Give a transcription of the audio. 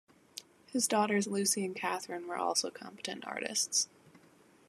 His daughters Lucy and Catherine were also competent artists.